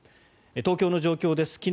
東京の状況です。